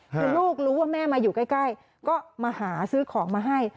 คือลูกรู้ว่าแม่มาอยู่ใกล้ก็มาหาซื้อของมาให้